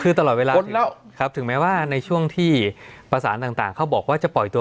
คือตลอดเวลาครับถึงแม้ว่าในช่วงที่ประสานต่างเขาบอกว่าจะปล่อยตัว